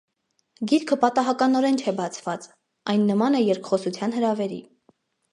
Գիրքը պատահականորեն չէ բացված. այն նման է երկխոսության հրավերի։